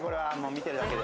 見てるだけで。